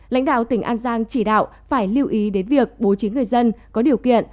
lãnh đạo tỉnh an giang chỉ đạo phải lưu ý đến việc bố trí người dân có điều kiện